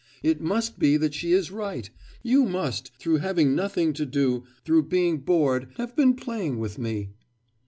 It must be that she is right; you must, through having nothing to do, through being bored, have been playing with me.